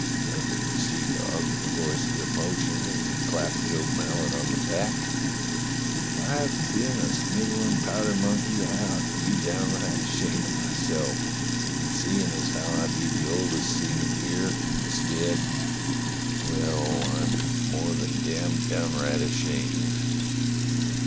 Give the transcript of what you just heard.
thundered the seadog in a voice of emotion as he clapped Job Mallet on the back, "if I've been a snivellin' powder monkey I ought to be downright ashamed of myself, and seein' as how I be the oldest seaman here, instead — well, I'm more than damned downright ashamed.